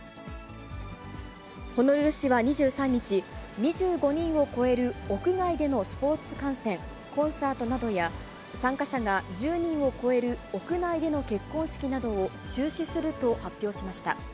ホノルル市は２３日、２５人を超える屋外でのスポーツ観戦、コンサートなどや、参加者が１０人を超える屋内での結婚式などを中止すると発表しました。